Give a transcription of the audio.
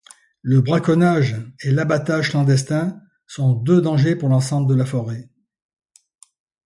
Le braconnage et l'abattage clandestin sont deux dangers pour l'ensemble de la forêt.